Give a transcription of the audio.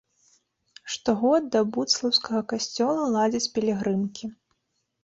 Штогод да будслаўскага касцёла ладзяць пілігрымкі.